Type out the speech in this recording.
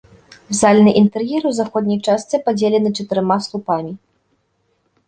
Зальны інтэр'ер у заходняй частцы падзелены чатырма слупамі.